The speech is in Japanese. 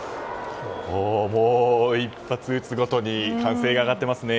一発打つごとに歓声が上がってますね。